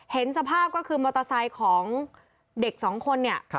เห็นสภาพก็คือมอเตอร์ไซค์ของเด็กสองคนเนี่ย